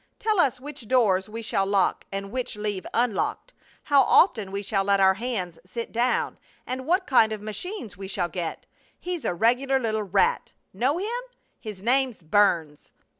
Tell us which doors we shall lock and which leave unlocked, how often we shall let our hands sit down, and what kind of machines we shall get! He's a regular little rat! Know him? His name's Burns.